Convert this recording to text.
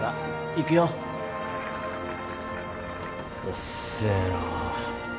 おっせえな。